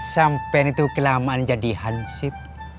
sampean itu kelamaan jadi hansip